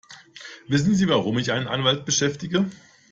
Wissen Sie, warum ich einen Anwalt beschäftige?